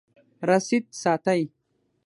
رسید ساتئ